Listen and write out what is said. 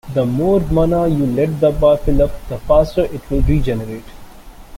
The more mana you let the bar fill up, the faster it will regenerate.